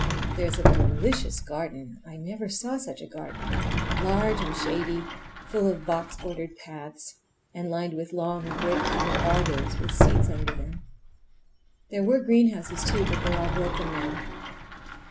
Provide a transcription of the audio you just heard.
There is a delicious garden! I never saw such a garden—large and shady, full of box bordered paths, and lined with long grape covered arbors with seats under them. There were greenhouses, too, but they are all broken now.